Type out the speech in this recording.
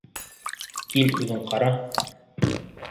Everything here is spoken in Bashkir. Кил, үҙең ҡара!